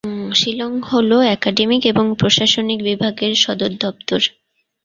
শিলং হল একাডেমিক এবং প্রশাসনিক বিভাগের সদর দপ্তর।